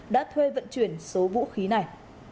đã thuê vận chuyển số vũ khí này